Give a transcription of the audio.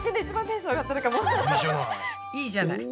いいじゃない。